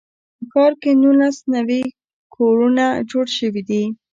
په ښار کې نولس نوي کورونه جوړ شوي دي.